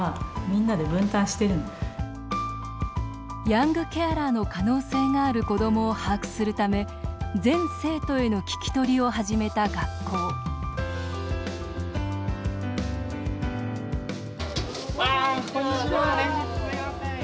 ヤングケアラーの可能性がある子どもを把握するため全生徒への聞き取りを始めた学校こんにちは。